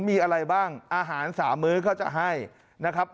มีอะไรบ้างอาหาร๓มื้อเขาจะให้นะครับ